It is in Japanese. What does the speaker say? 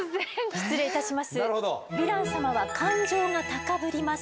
失礼いたします。